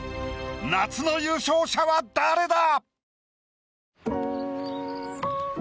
夏の優勝者は誰だ⁉